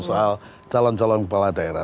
soal calon calon kepala daerah